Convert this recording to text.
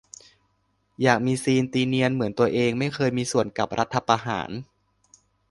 อยากมีซีน ตีเนียน เหมือนตัวเองไม่เคยมีส่วนกับรัฐประหาร